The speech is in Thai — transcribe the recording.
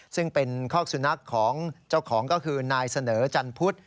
ซึ่งเป็นคอกสุนัขของเจ้าของก็คือนายเสนอจันพุทธ